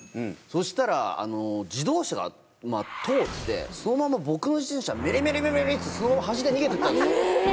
そしたら自動車が通って僕の自転車メリメリメリっつってそのまま走って逃げてったんです。